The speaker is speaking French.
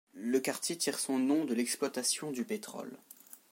Le quartier tire son nom de l'exploitation du pétrole.